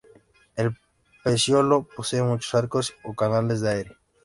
El pecíolo posee muchos arcos o canales de aire.